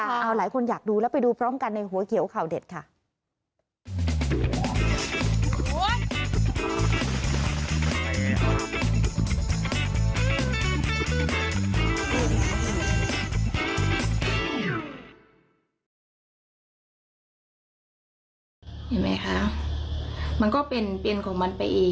เอาหลายคนอยากดูแล้วไปดูพร้อมกันในหัวเขียวข่าวเด็ดค่ะ